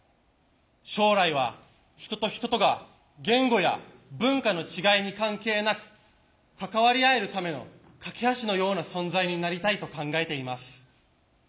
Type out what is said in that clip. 将来は人と人とが言語や文化の違いに関係なく関わり合えるための懸け橋のような存在になりたいと考えています。